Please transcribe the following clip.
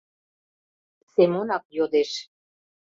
— Семонак йодеш.